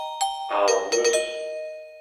Aon 'm eus !